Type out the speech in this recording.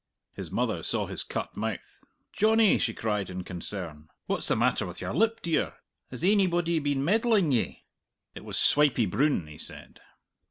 His mother saw his cut mouth. "Johnny," she cried in concern, "what's the matter with your lip, dear? Has ainybody been meddling ye?" "It was Swipey Broon," he said.